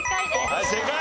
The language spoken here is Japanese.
はい正解！